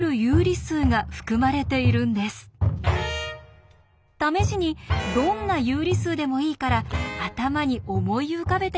試しにどんな有理数でもいいから頭に思い浮かべて下さい。